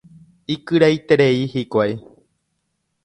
Ikyraiterei hikuái.